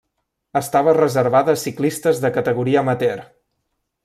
Estava reservada a ciclistes de categoria amateur.